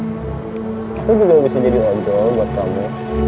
aku juga bisa jadi wajol buat kamu